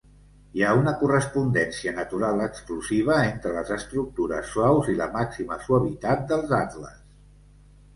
Hi ha una correspondència natural exclusiva entre les estructures suaus i la màxima suavitat dels atles.